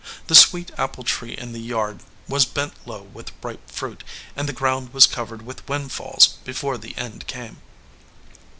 The sweet apple tree in the yard was bent low with ripe fruit, and the ground was covered with wind falls before the end came.